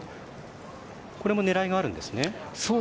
これも狙いがあるんですね？